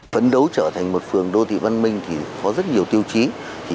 phấn đấu trở thành một phường đô thị văn minh thì có rất nhiều tiêu chí